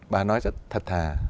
bà nói rất thật thà